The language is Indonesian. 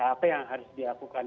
apa yang harus dilakukan